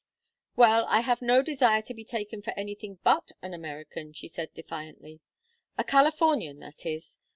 "Well, I have no desire to be taken for anything but an American," she said, defiantly. "A Californian, that is.